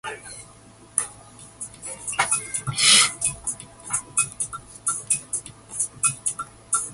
In modern usage, the word is usually used to mean goblins, hobgoblins and gnomes.